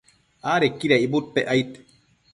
adequida icbudpec aid